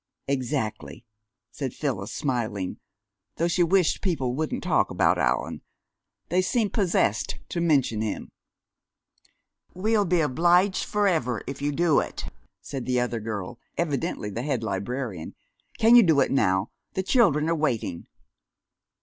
"Exactly," said Phyllis, smiling, though she wished people wouldn't talk about Allan! They seemed possessed to mention him! "We'll be obliged forever if you'll do it," said the other girl, evidently the head librarian. "Can you do it now? The children are waiting."